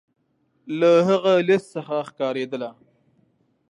له هغه لیست څخه ښکارېدله.